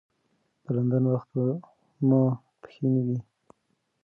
د لندن وخت په ماپښین و.